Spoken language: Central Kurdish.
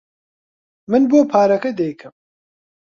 من بۆ پارەکە دەیکەم.